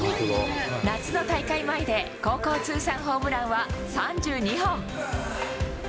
夏の大会前で、高校通算ホームランは３２本。